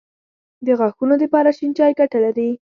د غاښونو دپاره شين چای ګټه لري